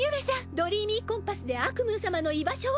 ドリーミーコンパスでアクムー様の居場所を！